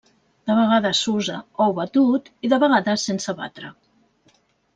De vegades s'usa ou batut, i de vegades sense batre.